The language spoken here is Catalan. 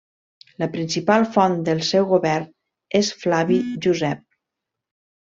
La principal font del seu govern és Flavi Josep.